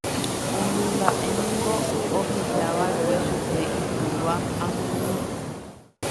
Umi mba'e niko ohejava'ekue chupe itúva amyrỹi.